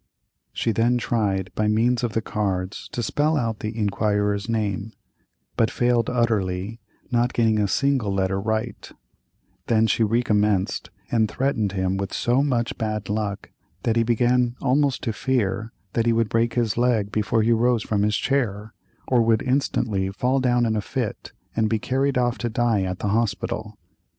She then tried by means of the cards to spell out the Inquirer's name, but failed utterly, not getting a single letter right; then she recommenced and threatened him with so much bad luck that he began almost to fear that he would break his leg before he rose from his chair, or would instantly fall down in a fit and be carried off to die at the Hospital.